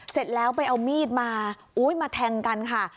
เสร็จแล้วไปเอามีดมามาแทงกันค่ะ